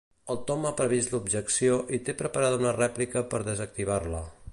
El Tom ha previst l'objecció i té preparada una rèplica per desactivar-la.